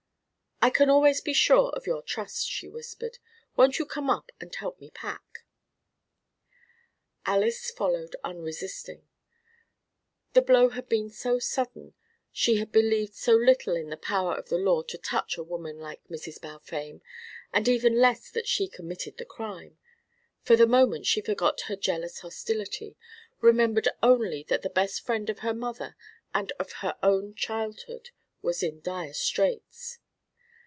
"I can always be sure of your trust," she whispered. "Won't you come up and help me pack?" Alys followed unresisting: the blow had been so sudden; she had believed so little in the power of the law to touch a woman like Mrs. Balfame, and even less that she committed the crime; for the moment she forgot her jealous hostility, remembered only that the best friend of her mother and of her own childhood was in dire straits.